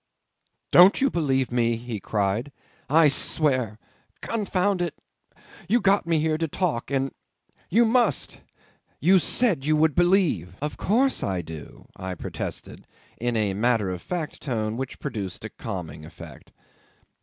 "Don't you believe me?" he cried. "I swear! ... Confound it! You got me here to talk, and ... You must! ... You said you would believe." "Of course I do," I protested, in a matter of fact tone which produced a calming effect.